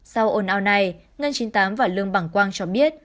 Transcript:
sau ồn ào này ngân chín mươi tám và lương bằng quang cho biết